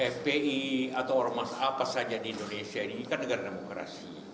fpi atau ormas apa saja di indonesia ini kan negara demokrasi